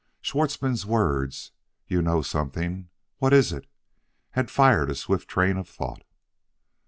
Schwartzmann's words, "You know something. What is it?" had fired a swift train of thought.